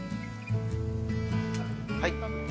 はい。